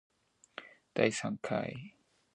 Canoaataj tacoi ancoj quih xaaaj.